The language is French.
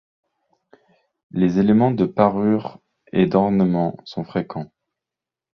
Les éléments de parure et d'ornements sont fréquents.